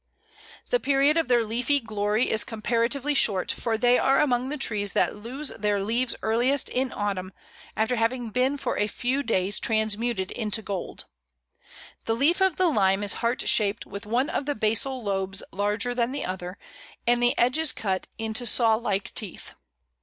The period of their leafy glory is comparatively short, for they are among the trees that lose their leaves earliest in autumn, after having been for a few days transmuted into gold. The leaf of the Lime is heart shaped, with one of the basal lobes larger than the other, and the edges cut into saw like teeth.